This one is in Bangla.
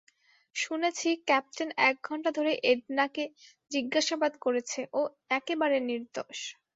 শুনেছি, ক্যাপ্টেন এক ঘন্টা ধরে এডনা-কে জিজ্ঞাসাবাদ করেছে, ও একেবারে নির্দোষ।